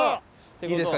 いいですか？